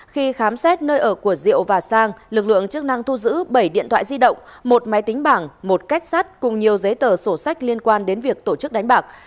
khi khám xét nơi ở của diệu và sang lực lượng chức năng thu giữ bảy điện thoại di động một máy tính bảng một cách sát cùng nhiều giấy tờ sổ sách liên quan đến việc tổ chức đánh bạc